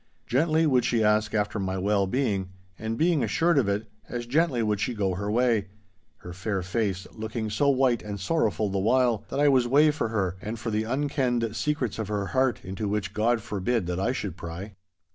Gently would she ask after my well being, and being assured of it, as gently would she go her way—her fair face looking so white and sorrowful the while, that I was wae for her, and for the unkenned secrets of her heart into which God forbid that I should pry.